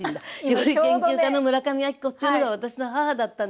料理研究家の村上昭子というのが私の母だった。